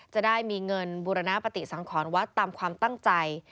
จะได้มีเงินบูรณปฏิสังขรวัดตามความตั้งใจ